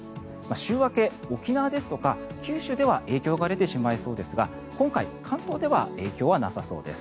週明け、沖縄とか九州では影響が出てしまいそうですが今回、関東では影響はなさそうです。